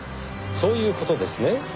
そういう事ですね？